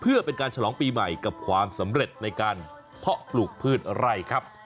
เพื่อเป็นการฉลองปีใหม่กับความสำเร็จในการเพาะปลูกพืชไร่ครับ